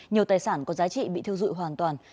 nhiều tài sản có giá trị bị thiêu dụi hoàn toàn